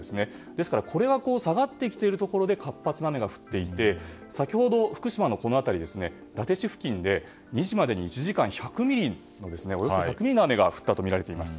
ですからこれが下がっているところで活発な雨が降っていて先ほど福島の伊達市付近で２時までに１時間およそ１００ミリの雨が降ったとみられています。